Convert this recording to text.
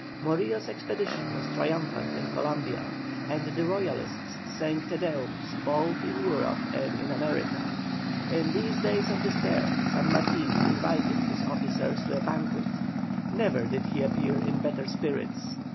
Morillo's expedition was triumphant in Columbia, and the Royalists sang Te Deums both in Europe and in America. In these days of despair San Martin invited his officers to a banquet. Never did he appear in better spirits.